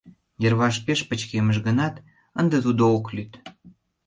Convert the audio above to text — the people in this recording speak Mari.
Йырваш пеш пычкемыш гынат, ынде тудо ок лӱд.